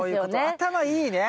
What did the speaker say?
頭いいね。